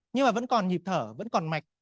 nhưng mà vẫn còn nhịp thở vẫn còn mạch